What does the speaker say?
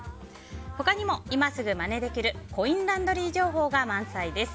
他にも今すぐまねできるコインランドリー情報が満載です。